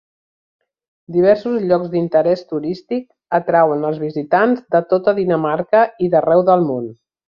Diversos llocs d'interès turístic atrauen els visitants de tota Dinamarca i d'arreu del món.